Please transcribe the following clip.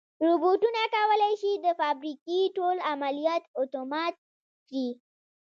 روبوټونه کولی شي د فابریکې ټول عملیات اتومات کړي.